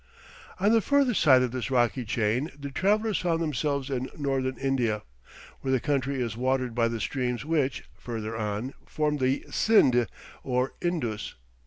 On the further side of this rocky chain the travellers found themselves in Northern India, where the country is watered by the streams which, further on, form the Sinde or Indus.